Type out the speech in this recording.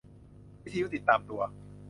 วิทยุติดตามตัว